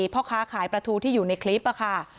พ่อค้าขายปลาทูที่อยู่ในคลิปค่ะ